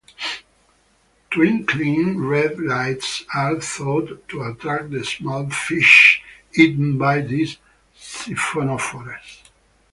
Twinkling red lights are thought to attract the small fish eaten by these siphonophores.